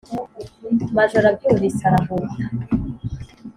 Majoro abyumvise arahuta